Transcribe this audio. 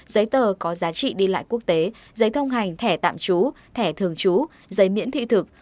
giấy tờ có giá trị đi lại quốc tế giấy thông hành thẻ tạm trú thẻ thường trú giấy miễn thị thực